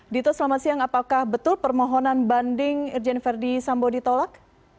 dito selamat siang apakah betul permohonan banding irjen verdi sambo ditolak